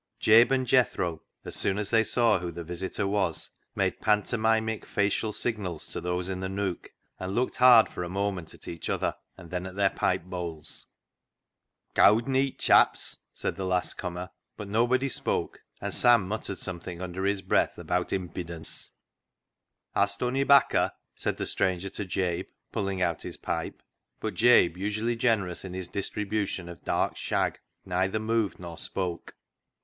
Jabe and Jethro, as soon as they saw who the visitor was, made pantomimic facial signals to those in the nook, and looked hard for a moment at each other, and then at their pipe bowls. " Cowd neet, chaps," said the last comer, but nobody spoke, and Sam muttered something under his breath about " impidence." " Hast ony 'bacca ?" said the stranger to Jabe, pulling out his pipe ; but Jabe, usually generous in his distribution of dark shag, neither moved nor spoke.